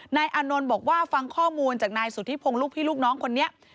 นายอานนท์บอกว่าฟังข้อมูลจากนายสุธิพงศ์ลูกพี่ลูกน้องคนนี้